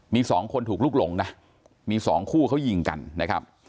มีสองคนถูกลุกหลงนะมีสองคู่เขายิงกันนะครับ